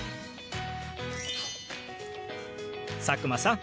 佐久間さん